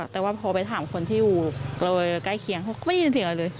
แต่ว่าพอไปถามคนที่อยู่บริเวณใกล้เคียงเขาก็ไม่ได้ยินเสียงอะไรเลย